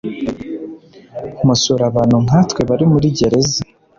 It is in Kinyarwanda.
musura abantu nkatwe bari muri za gereza